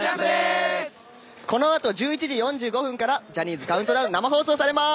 このあと１１時４５分から「ジャニーズカウントダウン」生放送されます！